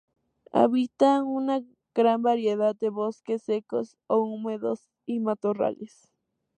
Habita una gran variedad de bosques secos o húmedos y matorrales.